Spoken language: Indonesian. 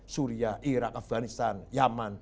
syria iraq afganistan yaman